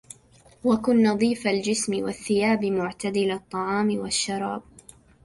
وكن نظيف الجسم والثيابِ معتدل الطعام والشرابِ